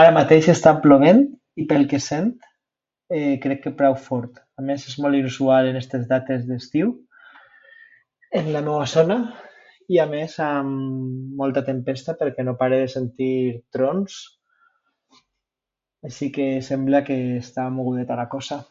Ara mateix està plovent, i pel que sent, eh, crec que prou fort. A més és molt inusual en estes dates d'estiu en la meua zona, i a més amb molta tempesta perquè no pare de sentir trons. Així que sembla que està mogudeta la cosa.